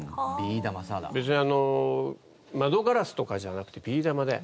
別に窓ガラスとかじゃなくてビー玉だよ。